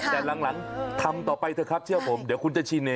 แต่หลังทำต่อไปเถอะครับเชื่อผมเดี๋ยวคุณจะชินเอง